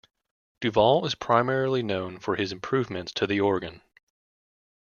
Duval is primarily known for his improvements to the organ.